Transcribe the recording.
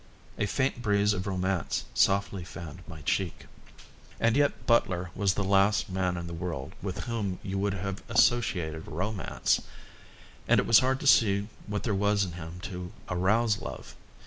A faint breeze of romance softly fanned my cheek. And yet Butler was the last man in the world with whom you would have associated romance, and it was hard to see what there was in him to arouse love.